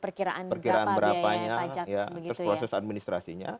perkiraan berapanya terus proses administrasinya